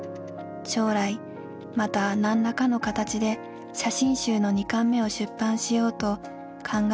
将来また何んらかの形で写真集の二刊目を出版しようと考えているのです。